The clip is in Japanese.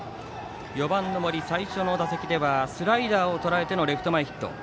４番の森、最初の打席ではスライダーをとらえてのレフト前ヒット。